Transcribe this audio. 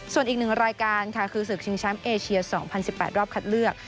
ส่วนอีกหนึ่งรายการค่ะคือศึกชิงแชมป์เอเชีย๒๐๑๘รอบคัดเลือก